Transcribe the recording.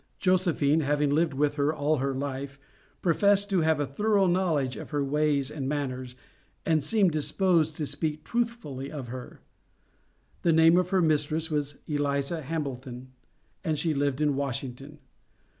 Josephine having lived with her all her life, professed to have a thorough knowledge of her ways and manners, and seemed disposed to speak truthfully of her. The name of her mistress was Eliza Hambleton, and she lived in Washington.